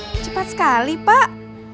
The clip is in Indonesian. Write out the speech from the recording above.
wah cepat sekali pak